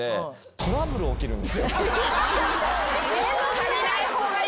借りない方がいい。